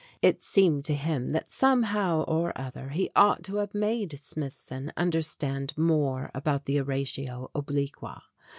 It seemed to him that some how or other he ought to have made Smithson under stand more about the Oratio Obliqua.